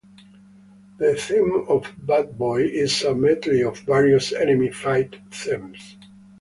The Theme of Bad Boy is a medley of various enemy fight themes.